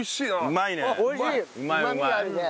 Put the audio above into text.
うまいね。